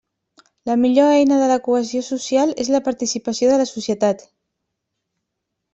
La millor eina de la cohesió social és la participació de la societat.